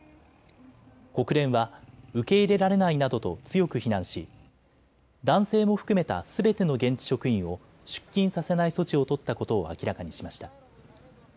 国連は受け入れられないなどと強く非難し男性も含めたすべての現地職員を出勤させない措置を取ったことを明らかにしました。